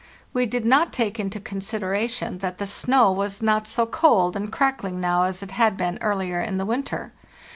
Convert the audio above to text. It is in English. We did not take into consideration that the snow was not so cold and crack ling now as it had been earlier in the winter.